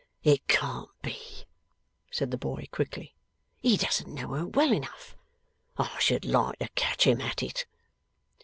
'It can't be!' said the boy, quickly. 'He doesn't know her well enough. I should like to catch him at it!